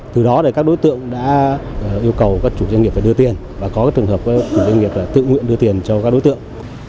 từ đó các đối tượng đã yêu cầu các chủ doanh nghiệp phải đưa tiền và có trường hợp doanh nghiệp là tự nguyện đưa tiền cho các đối tượng